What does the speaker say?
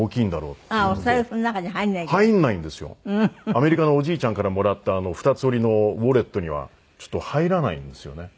アメリカのおじいちゃんからもらった二つ折りのウォレットにはちょっと入らないんですよね。